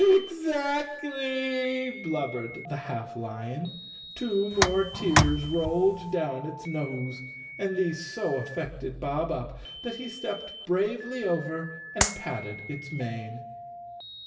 "Exactly," blubbered the half lion. Two more tears rolled down its nose, and these so affected Bob Up that he stepped bravely over and patted its mane.